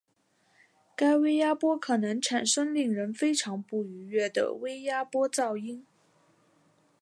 该微压波可能产生令人非常不愉悦的微压波噪音。